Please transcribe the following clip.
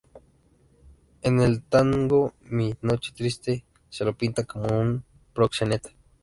En el tango "Mi noche triste" se lo pinta como un proxeneta.